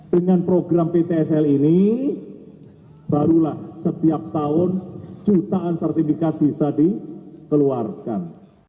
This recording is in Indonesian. dengan program ptsl ini barulah setiap tahun jutaan sertifikat bisa dikeluarkan